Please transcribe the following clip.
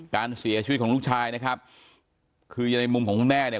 การเสียชีวิตของลูกชายนะครับคือในมุมของคุณแม่เนี่ย